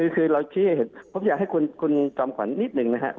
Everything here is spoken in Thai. คือเราคิดผมอยากให้คุณจอมขวัญนิดหนึ่งนะครับ